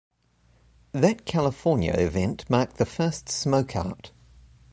That California event marked the first Smokeout.